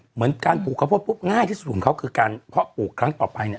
เหมือนการปลูกข้าวโพดปุ๊บง่ายที่สุดของเขาคือการเพาะปลูกครั้งต่อไปเนี่ย